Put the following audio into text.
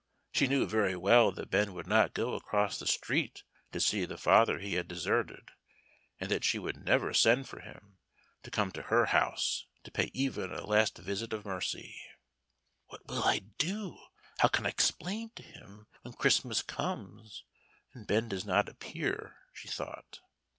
She knew very well that Ben would not go across the street to see the father he had deserted, and that she could never send for him to come to her house, to pay even a last visit of mercy. "What will I do how can I explain to him, when Christmas comes and Ben does not appear?" she thought.